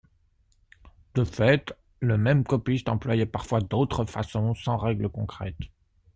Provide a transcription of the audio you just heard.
De fait, le même copiste employait parfois d'autres façons, sans règle concrète.